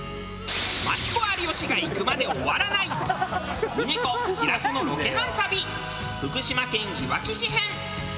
マツコ有吉が行くまで終わらない峰子平子のロケハン旅福島県いわき市編。